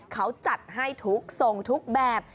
เขาจัดให้ทุกทรงทุกแบบ